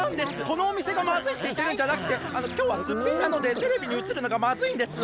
このおみせがまずいっていってるんじゃなくてきょうはすっぴんなのでテレビにうつるのがまずいんです。